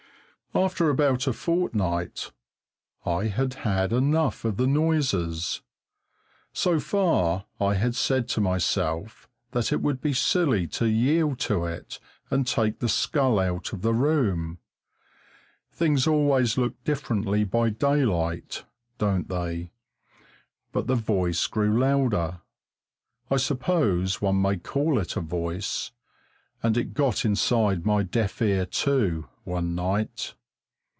After about a fortnight I had had enough of the noises. So far I had said to myself that it would be silly to yield to it and take the skull out of the room. Things always look differently by daylight, don't they? But the voice grew louder I suppose one may call it a voice and it got inside my deaf ear, too, one night.